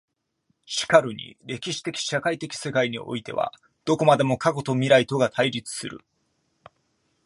然るに歴史的社会的世界においてはどこまでも過去と未来とが対立する。